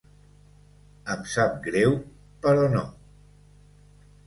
Em sap greu, però no.